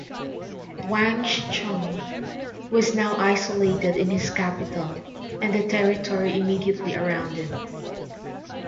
Wang Shichong was now isolated in his capital and the territory immediately around it.